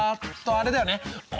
あれだよね！